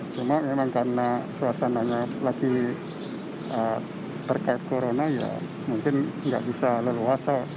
cuma memang karena suasananya lagi terkait corona ya mungkin nggak bisa leluasa